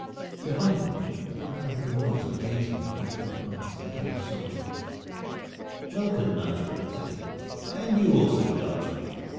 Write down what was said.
Behind him a crowd of little boys were gazing with reverent eyes at the famous soldier. "Welcome, Nigel!" said he, "and you also, good archer!